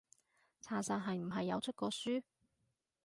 查實係唔係有出過書？